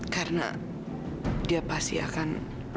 karena dia pasti akan